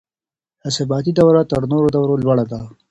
اثباتي دوره تر نورو دورو لوړه ده.